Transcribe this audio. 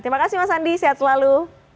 terima kasih mas andi sehat selalu